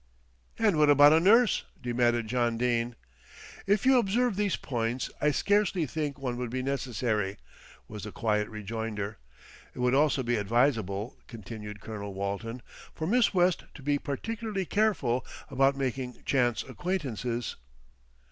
"And what about a nurse?" demanded John Dene. "If you observe these points I scarcely think one would be necessary," was the quiet rejoinder. "It would also be advisable," continued Colonel Walton, "for Miss West to be particularly careful about making chance acquaintances."